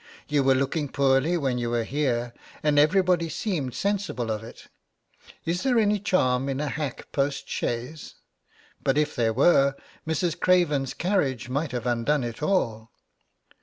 'You were looking poorly when you were here, and everybody seemed sensible of it.' Is there any charm in a hack postchaise? But if there were, Mrs. Craven's carriage might have undone it all.